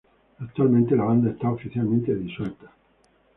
Actualmente la banda está oficialmente disuelta.